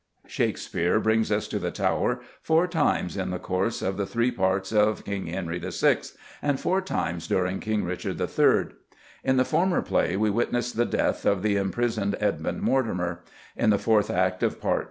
Shakespeare brings us to the Tower four times in the course of the three parts of King Henry VI. and four times during King Richard III. In the former play we witness the death of the imprisoned Edmund Mortimer; in the fourth act of Part II.